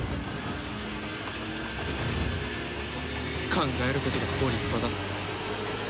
考えることがご立派だ。